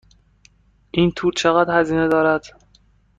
این تور چقدر هزینه دارد؟